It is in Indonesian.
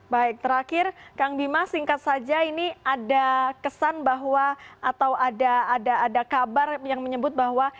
baik terakhir kang bima singkat saja ini ada kesan bahwa atau ada kabar yang menyebut bahwa